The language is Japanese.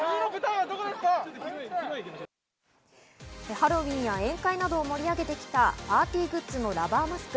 ハロウィーンや宴会などを盛り上げてきたパーティーグッズのラバーマスク。